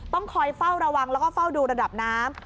ต้องคอยเฝ้าระวังแล้วก็เฝ้าดูระดับน้ำ